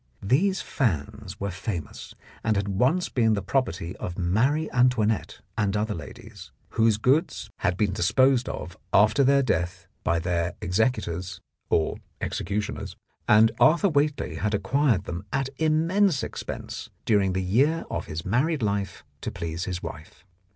These fans were famous, and had once been the property of Marie Antoinette and other ladies, whose goods had been 3i The Blackmailer of Park Lane disposed of after their death by their executors or executioners, and Arthur Whately had acquired them at immense expense during the year of his married life to please his wife.